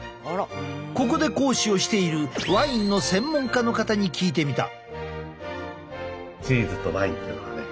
ここで講師をしているワインの専門家の方に聞いてみた。